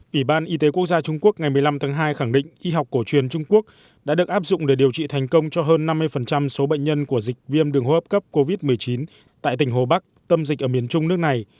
ủy ban y tế quốc gia trung quốc ngày một mươi năm tháng hai khẳng định y học cổ truyền trung quốc đã được áp dụng để điều trị thành công cho hơn năm mươi số bệnh nhân của dịch viêm đường hô hấp cấp covid một mươi chín tại tỉnh hồ bắc tâm dịch ở miền trung nước này